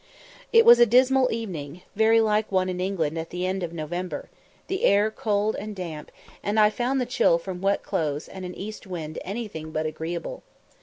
It was a dismal evening, very like one in England at the end of November the air cold and damp and I found the chill from wet clothes and an east wind anything but agreeable.